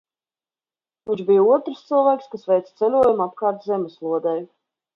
Viņš bija otrs cilvēks, kas veica ceļojumu apkārt zemeslodei.